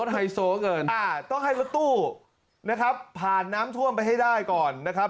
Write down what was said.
ไฮโซเงินอ่าต้องให้รถตู้นะครับผ่านน้ำท่วมไปให้ได้ก่อนนะครับ